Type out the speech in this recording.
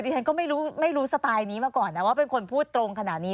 ฉันก็ไม่รู้สไตล์นี้มาก่อนนะว่าเป็นคนพูดตรงขนาดนี้